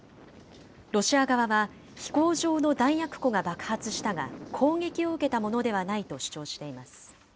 ロシア側は、飛行場の弾薬庫が爆発したが、攻撃を受けたものではないと主張しています。